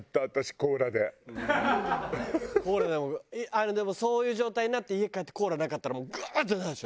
コーラでもあれでもそういう状態になって家帰ってコーラなかったらもうグワーッ！ってなるでしょ？